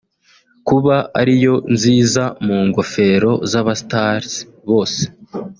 kuba ariyo nziza mu ngofero z’abastars bose